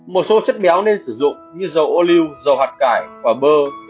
một số chất béo nên sử dụng như dầu ô lưu dầu hạt cải và bơ